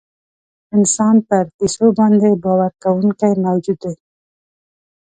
انسان پر کیسو باندې باور کوونکی موجود دی.